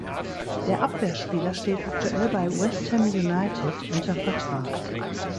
Der Abwehrspieler steht aktuell bei West Ham United unter Vertrag.